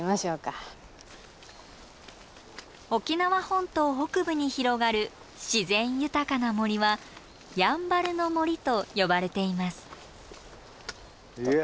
沖縄本島北部に広がる自然豊かな森はやんばるの森と呼ばれています。